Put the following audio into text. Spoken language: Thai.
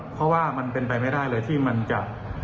เพราะว่ามันเป็นไปไม่ได้เลยที่มันจะ